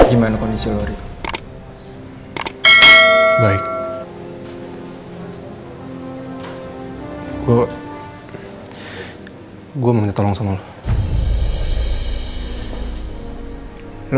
ini boneka kesayangan aku